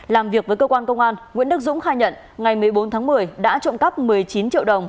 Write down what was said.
làm việc với cơ quan công an nguyễn đức dũng khai nhận ngày một mươi bốn tháng một mươi đã trộm cắp một mươi chín triệu đồng